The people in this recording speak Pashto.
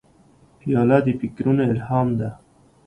پیاله د فکرونو الهام ده.